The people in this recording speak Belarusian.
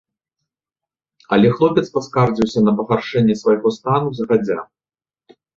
Але хлопец паскардзіўся на пагаршэнне свайго стану загадзя.